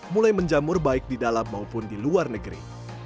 mulai menjamur baik di dalam maupun di luar negeri